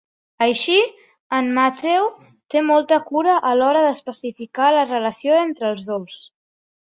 Així, en Matthew té molta cura a l'hora d'especificar la relació entre els dos.